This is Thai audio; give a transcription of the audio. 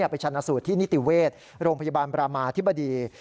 ชนะสูตรที่นิติเวชโรงพยาบาลบรามาธิบดี